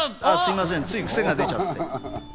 すみません、つい癖が出ちゃって。